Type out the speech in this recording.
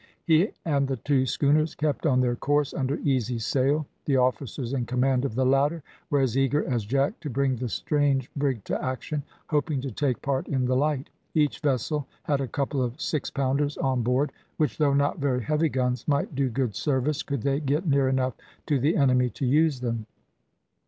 He and the two schooners kept on their course, under easy sail. The officers in command of the latter were as eager as Jack to bring the strange brig to action, hoping to take part in the light. Each vessel had a couple of six pounders on board, which though not very heavy guns, might do good service, could they get near enough to the enemy to use them.